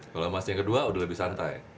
kalau masih yang kedua udah lebih santai